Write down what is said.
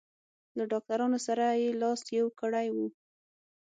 له ډاکټرانو سره یې لاس یو کړی و.